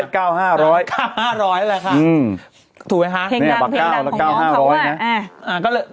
๙๕๐๐ค่ะถูกไหมคะนี่แหละปากก้าวแล้ว๙๕๐๐เนี่ย